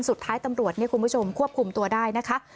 สุดท้ายตำรวจเนี่ยคุณผู้ชมควบคุมตัวได้นะคะ